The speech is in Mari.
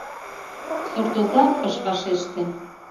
Суртоза ыш вашеште.